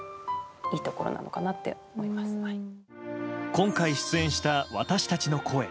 今回出演した、「私たちの声」。